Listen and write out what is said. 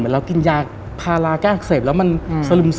เรากินยาพาราแก้อักเสบแล้วมันสลึม